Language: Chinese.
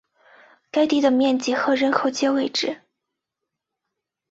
该地的面积和人口皆未知。